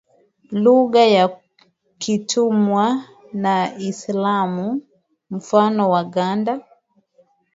lugha ya kitumwa na kiislamu mfano waganda